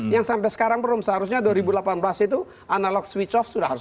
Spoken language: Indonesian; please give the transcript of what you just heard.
yang sampai sekarang belum seharusnya dua ribu delapan belas itu analog switch off sudah harus